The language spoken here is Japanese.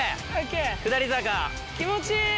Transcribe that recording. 気持ちいい。